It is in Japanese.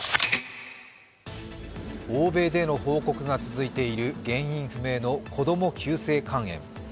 欧米での報告が続いている原因不明の子供急性肝炎。